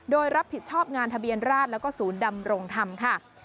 โดยรับผิดชอบงานทะเบียนราชแล้วก็ศูนย์ดำรงธรรมค่ะ